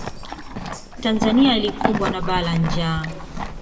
tanzania ilikumbwa na bala la njaa